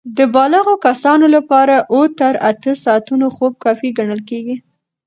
د بالغو کسانو لپاره اووه تر اته ساعتونه خوب کافي ګڼل کېږي.